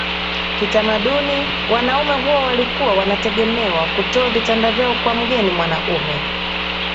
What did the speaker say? Kitamaduni wanaume huwa walikuwa wanategemewa kutoa vitanda vyao kwa mgeni mwanaume